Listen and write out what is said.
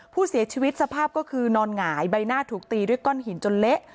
ผู้เสียชีวิตสภาพก็คือนอนหงายใบหน้าถูกตีด้วยก้อนหินจนเละ